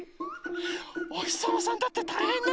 おひさまさんだってたいへんなのよ！